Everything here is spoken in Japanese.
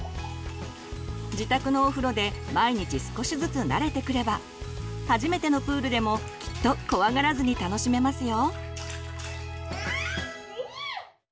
自宅のお風呂で毎日少しずつ慣れてくれば初めてのプールでもきっと怖がらずに楽しめますよ。